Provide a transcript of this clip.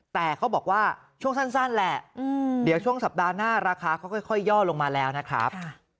แต่เขาบอกว่าช่วงสั้นแหละเดี๋ยวช่วงสัปดาห์หน้าราคาเขาค่อยย่อลงมาแล้วนะครับ